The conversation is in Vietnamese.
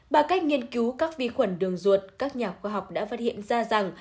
bằng cách nghiên cứu các vi khuẩn đường ruột các nhà khoa học đã phát hiện ra rằng